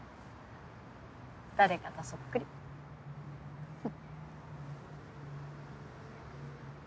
誰かとそっくりフフ。